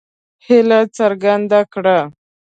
هیله څرګنده کړه.